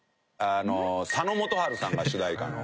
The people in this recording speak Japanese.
あの佐野元春さんが主題歌の。